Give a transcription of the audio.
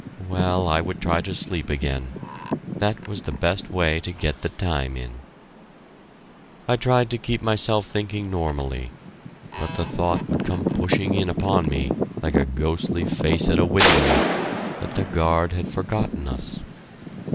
Well, I would try to sleep again; that was the best way to get the time in. I tried to keep myself thinking normally, but the thought would come pushing in upon me, like a ghostly face at a window, that the guard had forgotten us.